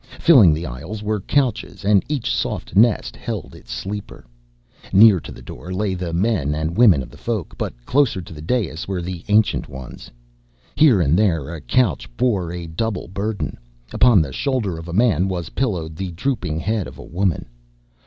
Filling the aisles were couches and each soft nest held its sleeper. Near to the door lay the men and women of the Folk, but closer to the dais were the Ancient Ones. Here and there a couch bore a double burden, upon the shoulder of a man was pillowed the drooping head of a woman.